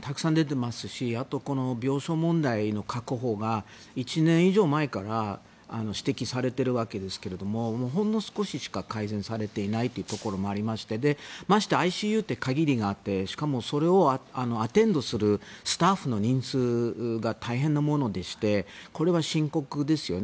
たくさん出てますしあと、病床確保の問題が１年以上前から指摘されているわけですけれどほんの少ししか改善されていないところもありましてましてＩＣＵって限りがあってしかも、それをアテンドするスタッフの人数が大変なものでしてこれは深刻ですよね。